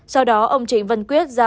sau đó ông trịnh văn quyết nói rằng